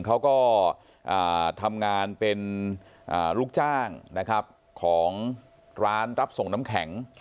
เขาก็ทำงานเป็นลูกจ้างนะครับของร้านรับส่งน้ำแข็ง